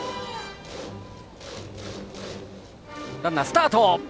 ランナー、スタート。